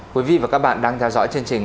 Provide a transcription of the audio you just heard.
quý vị và các bạn đang theo dõi chương trình